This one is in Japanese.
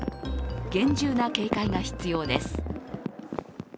厳重な警戒が必要です。